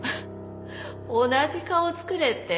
同じ顔を作れって？